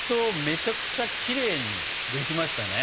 めちゃくちゃきれいにできましたね。